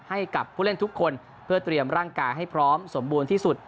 ให้กับผู้เล่นทุกคนเพื่อเตรียมร่างกายให้พร้อมสมบูรณ์ที่สุด